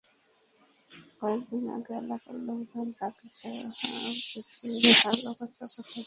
কয়েক দিন আগে এলাকার লোকজন তাঁকে সড়ক দুটির বেহাল অবস্থার কথা জানিয়েছেন।